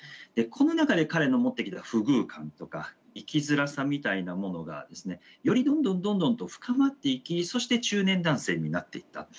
この中で彼の持ってきた不遇感とか生きづらさみたいなものがですねよりどんどんどんどんと深まっていきそして中年男性になっていった。